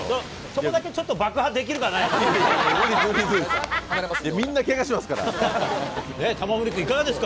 そこだけちょっと爆破できる無理です。